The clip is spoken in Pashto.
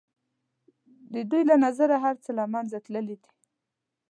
د دوی له نظره هر څه له منځه تللي دي.